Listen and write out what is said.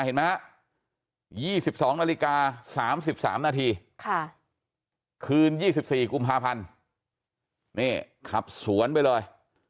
เห็นไหมฮะ๒๒นาฬิกา๓๓นาทีคืน๒๔กุมภาพันธ์นี่ขับสวนไปเลย